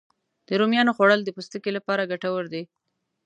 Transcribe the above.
د رومیانو خوړل د پوستکي لپاره ګټور دي